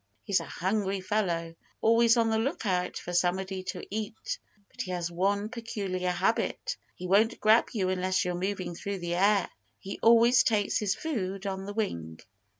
He's a hungry fellow, always on the look out for somebody to eat. But he has one peculiar habit: he won't grab you unless you're moving through the air. He always takes his food on the wing."